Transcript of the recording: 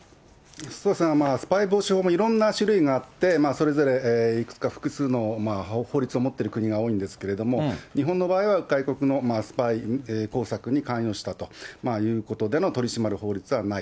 そうですね、スパイ防止法もいろんな種類があって、それぞれいくつか複数の法律を持ってる国が多いんですけれども、日本の場合は外国のスパイ工作に関与したということでの、取り締まる法律はない。